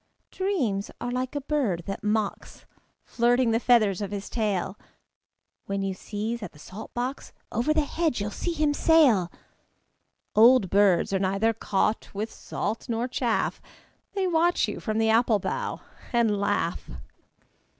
Dreams are like a bird that mocks, Flirting the feathers of his tail. When you sieze at the salt box, Over the hedge you'll see him sail. Old birds are neither caught with salt nor chaff: They watch you from the apple bough and laugh.